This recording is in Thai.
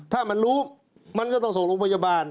ถ้ามันรู้มันก็ต้องส่งโรงพยาบาล